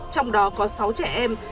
trong đó có sáu trẻ em